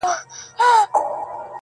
• اوس که را هم سي پر څنک رانه تېرېږي..